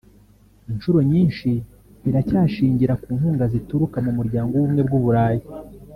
inshuro nyinshi iracyashingira ku nkunga zituruka mu Muryango w’Ubumwe bw’u Burayi